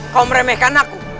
kau meremehkan aku